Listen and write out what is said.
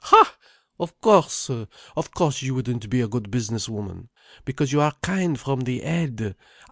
"Ha! of course! Of course you wouldn't be a good business woman. Because you are kind from the head.